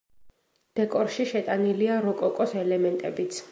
დეკორში შეტანილია როკოკოს ელემენტებიც.